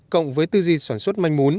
cộng với tư di sản xuất manh mún